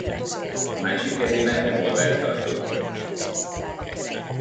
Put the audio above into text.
A másik kezében revolvert tartott!